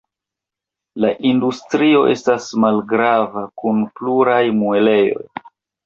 La industrio estas malgrava kun pluraj muelejoj.